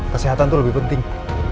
kesehatan tuh lebih penting